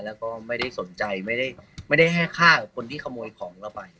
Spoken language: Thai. แล้วก็ไม่ได้สนใจไม่ได้ให้ฆ่ากับคนที่ขโมยของเราไป